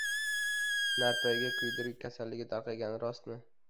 Narpayda kuydirgi kasalligi tarqalgani rostmi?